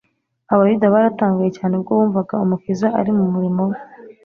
Abayuda baratangaye cyane ubwo bumvaga Umukiza ari mu murimo we